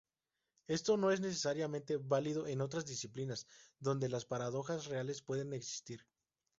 Esto no es necesariamente válido en otras disciplinas donde las paradojas reales pueden existir.